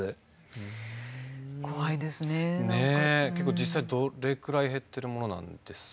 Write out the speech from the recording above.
実際どれくらい減ってるものなんですか？